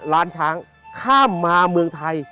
ล้านช้างข้ามมาเมืองไทย